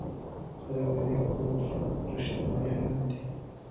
خلک د دې کور پر شتمنۍ حیران دي.